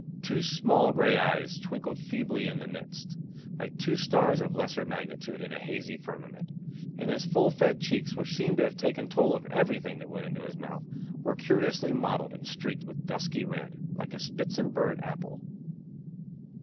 Two small gray eyes twinkled feebly in the midst, like two stars of lesser magnitude in a hazy firmament; and his full fed cheeks, which seemed to have taken toll of everything that went into his mouth, were curiously mottled and streaked with dusky red, like a Spitzenberg apple.